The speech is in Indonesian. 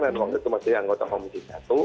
dan waktu itu masih anggota komisi satu